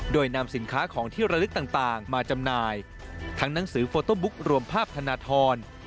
โดยนำสินค้าของที่ระลึกต่างมาจำหน่ายทั้งหนังสือโฟโต้บุ๊กรวมภาพธนทร